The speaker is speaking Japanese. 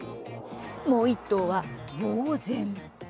もう１頭は、ぼう然。